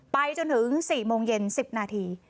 ไปจนถึง๔โมงเย็น๑๐นาที